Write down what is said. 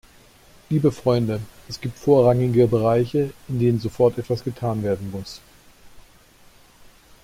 Liebe Freunde, es gibt vorrangige Bereiche, in denen sofort etwas getan werden muss.